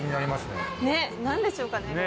ねっ何でしょうかね